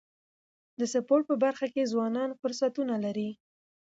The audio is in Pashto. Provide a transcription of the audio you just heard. د سپورټ په برخه کي ځوانان فرصتونه لري.